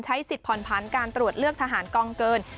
สิทธิผ่อนผันการตรวจเลือกทหารกองเกิน